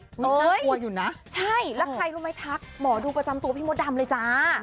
เห้ยใช่แล้วใครรู้ไหมทักหมอดูประจำตัวพี่มดดำเลยจ้า